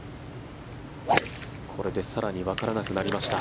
これで更にわからなくなりました。